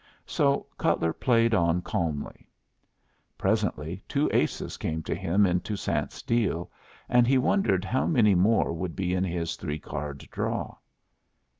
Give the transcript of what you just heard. So Cutler played on calmly. Presently two aces came to him in Toussaint's deal, and he wondered how many more would be in his three card draw.